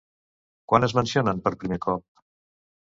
Quan es mencionen per primer cop?